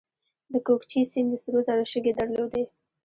د کوکچې سیند د سرو زرو شګې درلودې